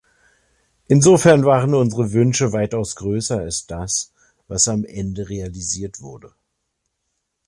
Insofern waren unsere Wünsche weitaus größer als das, was am Ende realisiert wurde.